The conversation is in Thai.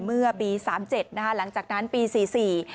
เมื่อปีสามเจ็ดนะคะหลังจากนั้นปีสี่สี่